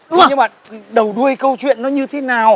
nhưng mà đầu đuôi câu chuyện nó như thế nào